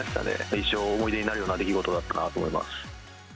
一生の思い出になるような出来事だったなと思います。